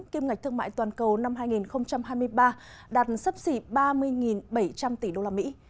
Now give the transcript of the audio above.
kim ngạch thương mại toàn cầu năm hai nghìn hai mươi ba đạt sắp xỉ ba mươi bảy trăm linh tỷ usd